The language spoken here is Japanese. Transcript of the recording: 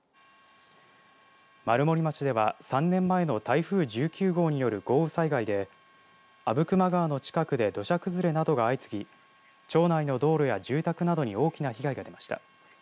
丸森町では３年前の台風１９号による豪雨災害で阿武隈川の近くで土砂崩れなどが相次ぎ町内の道路や住宅などに大きな被害が出ました。